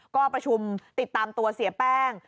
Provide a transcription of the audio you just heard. ก็ประชุมติดตามตัวเสียแป้ง